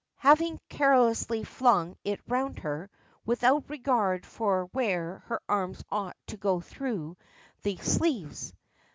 having carelessly flung it round her, without regard for where her arms ought to go through the sleeves.